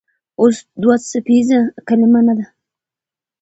اوس دوه څپیزه کلمه نه ده.